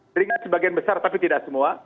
teringat sebagian besar tapi tidak semua